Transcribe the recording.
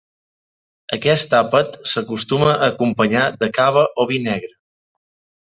Aquest àpat s'acostuma a acompanyar de cava o vi negre.